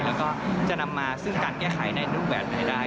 แล้วก็จะนำมาซึ่งการแก้ไขในรูปแบบไหนได้